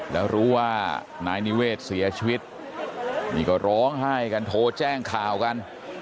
แล้วรู้ว่านายนิเวศเสียชีวิตนี่ก็ร้องไห้กันโทรแจ้งข่าวกัน